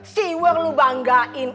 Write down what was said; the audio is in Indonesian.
siwet lu banggain